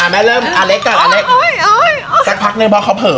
แบบว่าเหมือนจะไม่ยอมแต่ก็ต้องยอม